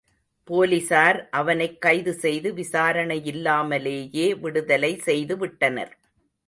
போலிஸார் அவனைக் கைது செய்து விசாரணையில்லாமலேயே விடுதலை செய்து விட்டனர்.